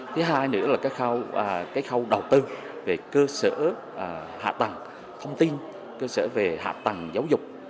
thứ hai nữa là cái khâu đầu tư về cơ sở hạ tầng thông tin cơ sở về hạ tầng giáo dục